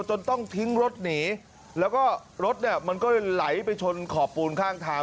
จนต้องทิ้งรถหนีแล้วก็รถเนี่ยมันก็เลยไหลไปชนขอบปูนข้างทาง